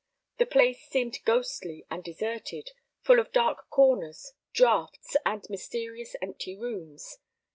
The place seemed ghostly and deserted, full of dark corners, draughts, and mysterious empty rooms.